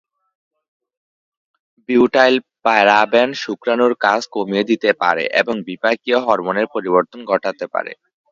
Butylparaben শুক্রাণুর কাজ কমিয়ে দিতে পারে এবং বিপাকীয় হরমোনের পরিবর্তন ঘটাতে পারে।